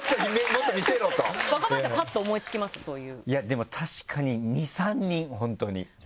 でも確かに２３人本当に。